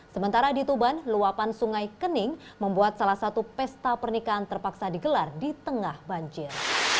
sementara di tuban luapan sungai kening membuat salah satu pesta pernikahan terpaksa digelar di tengah banjir